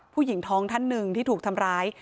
ผู้หญิงท้องท่านหนึ่งที่ถูกทำร้าย